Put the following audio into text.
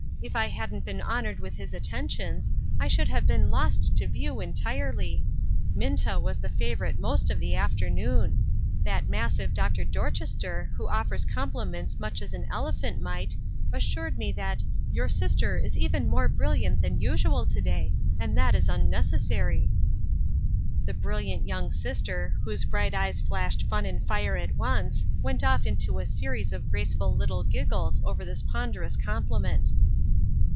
If I hadn't been honored with his attentions, I should have been lost to view entirely. Minta was the favorite most of the afternoon. That massive Dr. Dorchester, who offers compliments much as an elephant might, assured me that ' your sister is even more brilliant than usual to day, and that is unnecessary.' " AFTER SIX YEARS. 9 The " brilliant " young sister, whose bright eyes flashed fun and fire at once, went off into a series of graceful little giggles over this ponderous compliment.